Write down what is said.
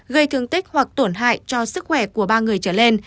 gây thương tích hoặc tổn hại cho sức khỏe của ba người trở lên